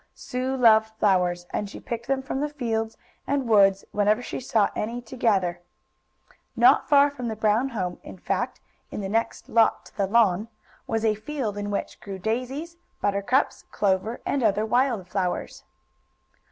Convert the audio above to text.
Sue loved flowers, and she picked them from the fields and woods whenever she saw any to gather. Not far from the Brown home, in fact in the next lot to the lawn, was a field in which grew daisies, buttercups, clover and other wild flowers.